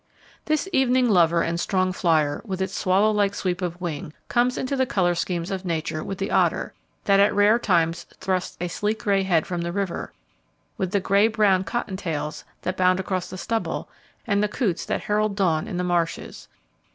This evening lover and strong flyer, with its swallow like sweep of wing, comes into the colour schemes of nature with the otter, that at rare times thrusts a sleek grey head from the river, with the grey brown cotton tails that bound across the stubble, and the coots that herald dawn in the marshes.